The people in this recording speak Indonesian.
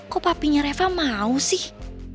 kok papinya reva mau sih